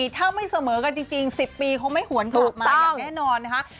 ถ้าไม่เสมอกันจริง๑๐ปีคงไม่หวนกลับมาอย่างแน่นอนนะคะ